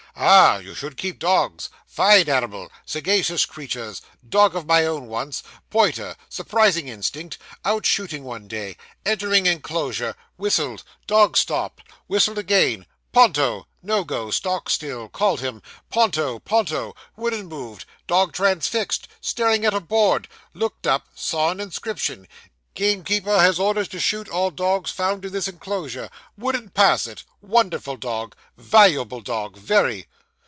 'Ah! you should keep dogs fine animals sagacious creatures dog of my own once pointer surprising instinct out shooting one day entering inclosure whistled dog stopped whistled again Ponto no go; stock still called him Ponto, Ponto wouldn't move dog transfixed staring at a board looked up, saw an inscription "Gamekeeper has orders to shoot all dogs found in this inclosure" wouldn't pass it wonderful dog valuable dog that very.